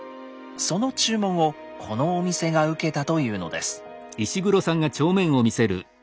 その注文をこのお店が受けたというのです。